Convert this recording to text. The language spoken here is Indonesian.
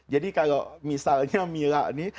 jadi kalau misalnya mila ini